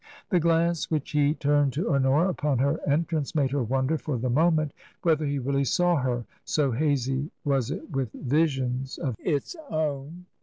The glance which he turned to Honora upon her en trance made her wonder for the moment whether he really saw her, so hazy was it with visions of its own.